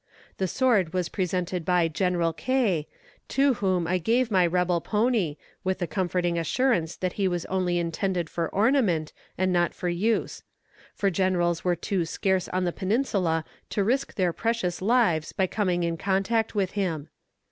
The sword was presented by General K., to whom I gave my rebel pony, with the comforting assurance that he was only intended for ornament, and not for use; for generals were too scarce on the Peninsula to risk their precious lives by coming in contact with him.